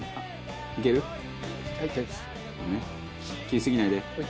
切りすぎないで！